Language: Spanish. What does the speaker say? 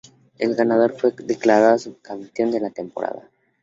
El ganador fue declarado subcampeón de la temporada.